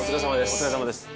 お疲れさまです